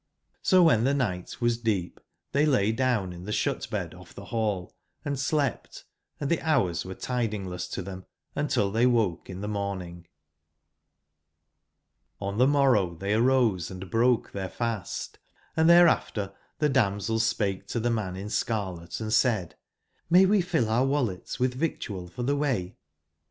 So wben tbc nigbt was cieep tbey lay down in tbe sbut/bed off tbe ball, and slept, & tbe bourswere tidingless to tbem until tbey wo ke in tbe morning. g^^Sj^JSf tbe morrow tbey arose & broke tbeir fast, [is^lfl ^ tbereaf ter tbe damsel spake to tbe man ^^^^ in scarlet and said :'' JVIay we ftll our wallets witb victual for tbe way